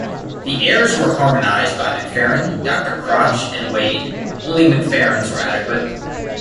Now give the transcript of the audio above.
The airs were harmonised by Macfarren, Doctor Crotch, and Wade; only Macfarren's were adequate.